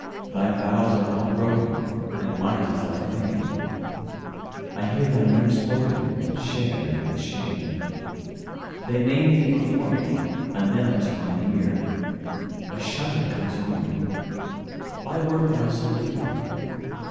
Thy vows are all broken, And light is thy fame:I hear thy name spokenAnd share in its shame. They name thee before me,A knell to mine ear;A shudder comes o'er me—Why wert thou so dear?